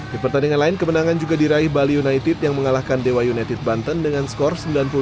di pertandingan lain kemenangan juga diraih bali united yang mengalahkan dewa united banten dengan skor sembilan puluh delapan